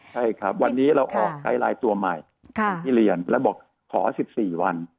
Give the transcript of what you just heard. ใช่ครับวันนี้เราออกไอไลน์ตัวใหม่ที่เรียนแล้วบอกขอ๑๔วัน